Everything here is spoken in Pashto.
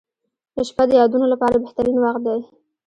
• شپه د یادونو لپاره بهترین وخت دی.